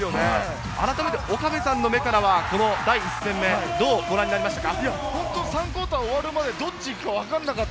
岡部さんの目からは第１戦、どうご覧になりましたか？